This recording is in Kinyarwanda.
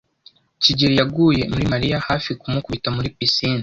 kigeli yaguye muri Mariya hafi kumukubita muri pisine.